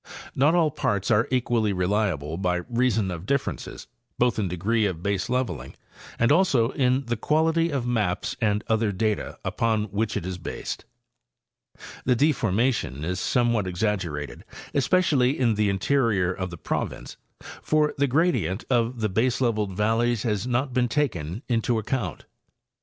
Not all parts are equally reliable by reason of differences both in degree of baseleveiing and also in the quality of maps and other data upon which it is based. The deformation is somewhat exaggerated, especially in the interior of the province, for the gradient of the baseleveled valleys has not been taken into account.